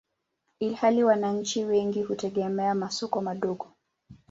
ilhali wananchi wengi hutegemea masoko madogo.